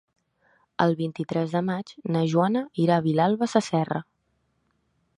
El vint-i-tres de maig na Joana irà a Vilalba Sasserra.